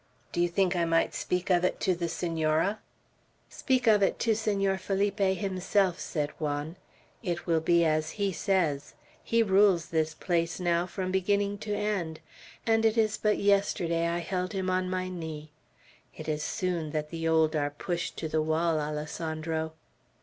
Do you think I might speak of it to the Senora?" "Speak of it to Senor Felipe himself," said Juan. "It will be as he says. He rules this place now, from beginning to end; and it is but yesterday I held him on my knee. It is soon that the old are pushed to the wall, Alessandro."